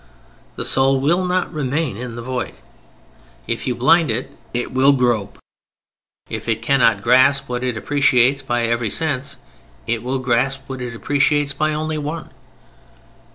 The soul will not remain in the void. If you blind it, it will grope. If it cannot grasp what it appreciates by every sense, it will grasp what it appreciates by only one.